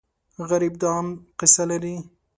غریب د غم قصه لري